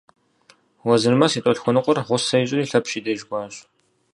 Уэзырмэс и тӏолъхуэныкъуэр гъусэ ищӏри Лъэпщ и деж кӏуащ.